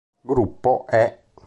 Gruppo E